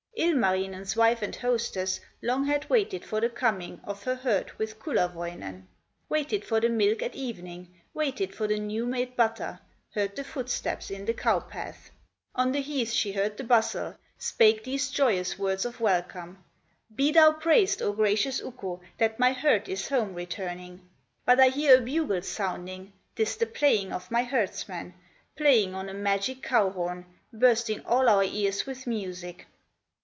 Ilmarinen's wife and hostess Long had waited for the coming Of her herd with Kullerwoinen, Waited for the milk at evening, Waited for the new made butter, Heard the footsteps in the cow path, On the heath she beard the bustle, Spake these joyous words of welcome: "Be thou praised, O gracious Ukko, That my herd is home returning! But I hear a bugle sounding, 'Tis the playing of my herdsman, Playing on a magic cow horn, Bursting all our ears with music!"